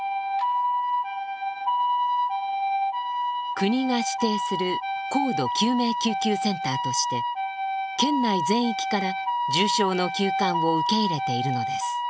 国が指定する高度救命救急センターとして県内全域から重症の急患を受け入れているのです。